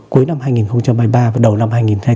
cuối năm hai nghìn hai mươi ba và đầu năm hai nghìn hai mươi bốn